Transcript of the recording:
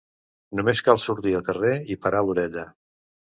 Només cal sortir al carrer i parar l'orella.